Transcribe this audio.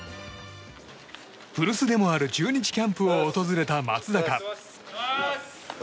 古巣でもある中日キャンプを訪れた松坂。